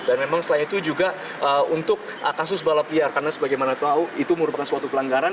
dan memang selain itu juga untuk kasus balap liar karena sebagaimana tahu itu merupakan suatu pelanggaran